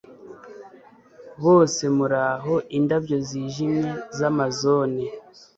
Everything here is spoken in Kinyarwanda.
bose muraho indabyo zijimye za amazone